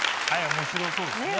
面白そうです。